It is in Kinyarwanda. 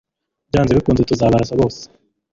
byanze bikunze tuzabarasa bose